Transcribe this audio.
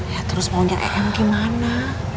ya terus maunya em gimana